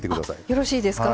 あよろしいですか？